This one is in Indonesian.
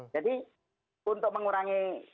jadi untuk mengurangi